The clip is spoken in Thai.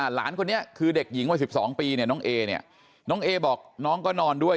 หลานคนนี้คือเด็กหญิงวัย๑๒ปีเนี่ยน้องเอเนี่ยน้องเอบอกน้องก็นอนด้วย